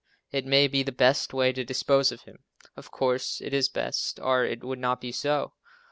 It may be the best way to dispose of him. Of course, it is best, or it would not be so.